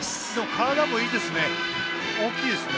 体も大きいですね。